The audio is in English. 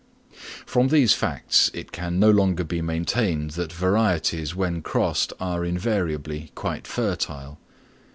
From these facts it can no longer be maintained that varieties when crossed are invariably quite fertile.